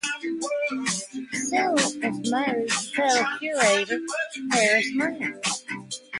Celant is married to fellow curator Paris Murray.